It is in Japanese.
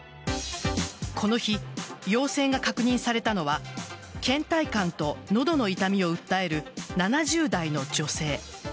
この日、陽性が確認されたのは倦怠感と喉の痛みを訴える７０代の女性。